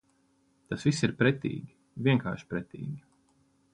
Tas viss ir pretīgi, vienkārši pretīgi.